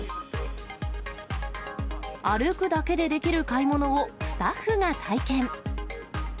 歩くだけでできる買い物をスタッフが体験。